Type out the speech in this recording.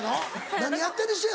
何やってる人や？